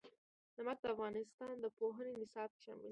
نمک د افغانستان د پوهنې نصاب کې شامل دي.